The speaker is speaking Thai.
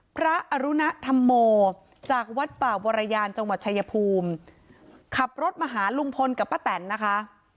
อรุณธรรมโมจากวัดป่าวรยานจังหวัดชายภูมิขับรถมาหาลุงพลกับป้าแตนนะคะ